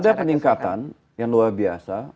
ada peningkatan yang luar biasa